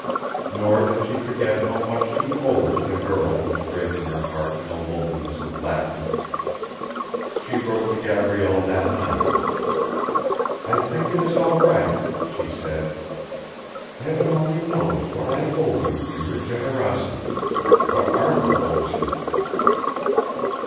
Nor did she forget how much she owed to the girl who was breaking her heart in the loneliness of Lapton. She wrote to Gabrielle that night. "I think it is all right," she said. "Heaven only knows what I owe you for your generosity ... what Arthur owes you."